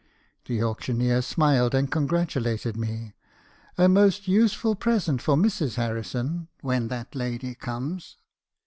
The auctioneer smiled, and congratulated me. "'A most useful present for Mrs. Harrison, when that lady comes.'